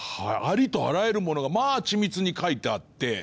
ありとあらゆるものがまあ緻密に描いてあって。